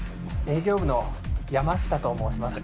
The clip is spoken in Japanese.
営業部の山下と申します。